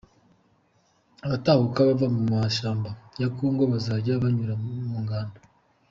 Abatahuka bava mu mashyamba ya kongo bazajya banyura mu ngando